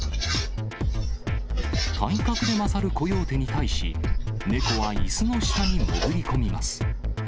体格で勝るコヨーテに対し、猫はいすの下に潜り込みます。